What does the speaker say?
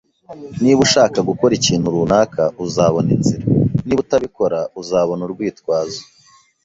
Niba ushaka gukora ikintu runaka, uzabona inzira. Niba utabikora, uzabona urwitwazo.